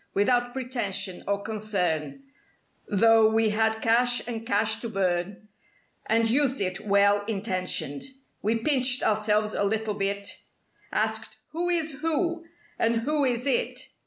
Without pretention or concern; 'Though we had cash and cash to burn, And used it "well intentioned." We pinched ourselves a little bit— Asked "Who is who?" and "Who is IT?"